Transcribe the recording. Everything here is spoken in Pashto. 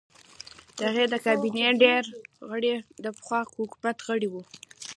د هغه د کابینې ډېر غړي د پخوا حکومت غړي وو.